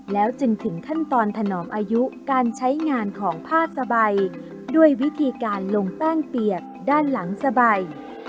แล้วจึงถึงขั้นตอนถนอมอายุการใช้งานของผ้าสบายด้วยวิธีการลงแป้งเปียกด้านหลังสบาย